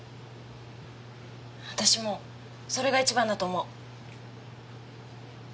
私もそれが一番だと思う。